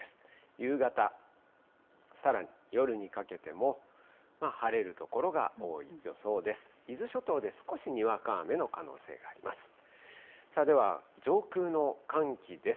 夕方、さらに夜にかけても、晴れる所が多い予想です。